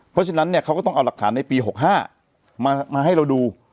เพราะฉะนั้นเนี่ยเขาก็ต้องเอาหลักฐานในปี๖๕มาให้เราดู